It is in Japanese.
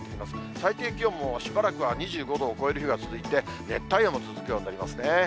最低気温もしばらくは２５度を超える日が続いて、熱帯夜も続くようになりますね。